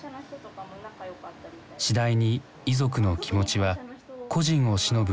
次第に遺族の気持ちは故人をしのぶ